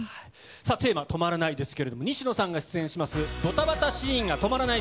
さあテーマ、止まらないですけれども、西野さんが出演します、ドタバタシーンが止まらない